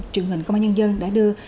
truyền hình công an nhân dân đã đưa